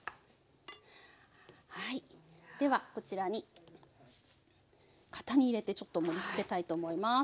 はいではこちらに型に入れてちょっと盛りつけたいと思います。